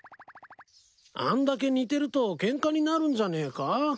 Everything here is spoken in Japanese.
あんだけ似てるとケンカになるんじゃねえか？